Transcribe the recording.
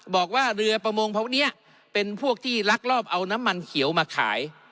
บอกว่าเรือประมงพวกนี้เป็นพวกที่ลักลอบเอาน้ำมันเขียวมาขาย